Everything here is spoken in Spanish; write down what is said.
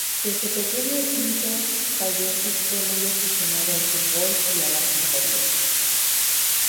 Desde pequeño Guido Vallejos fue muy aficionado al fútbol y a las historietas.